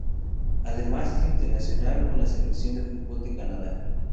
Además es internacional con la selección de fútbol de Canadá.